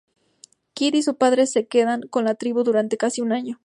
Kit y su padre se quedan con la tribu durante casi un año.